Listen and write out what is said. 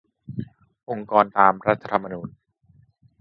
องค์กรตามรัฐธรรมนูญ